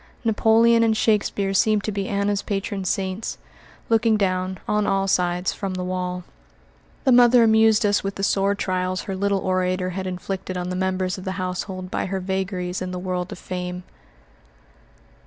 Napoleon and Shakespeare seemed to be Anna's patron saints, looking down, on all sides, from the wall. The mother amused us with the sore trials her little orator had inflicted on the members of the household by her vagaries in the world of fame.